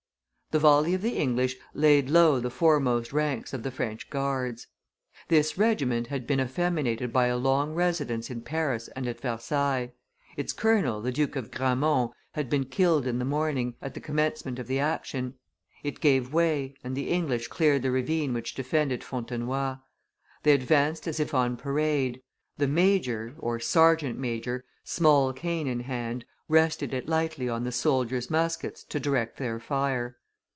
] The volley of the English laid low the foremost ranks of the French guards. This regiment had been effeminated by a long residence in Paris and at Versailles; its colonel, the Duke of Gramont, had been killed in the morning, at the commencement of the action; it gave way, and the English cleared the ravine which defended Fontenoy. They advanced as if on parade; the majors [?sergeant majors], small cane in hand, rested it lightly on the soldiers' muskets to direct their fire.